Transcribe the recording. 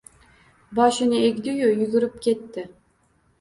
Boshini egdi-yu, yugurib ketdi.